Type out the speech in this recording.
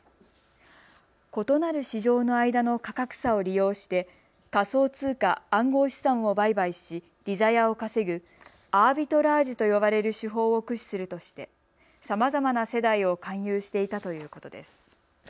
異なる市場の間の価格差を利用して仮想通貨・暗号資産を売買し利ざやを稼ぐアービトラージと呼ばれる手法を駆使するとしてさまざまな世代を勧誘していたということです。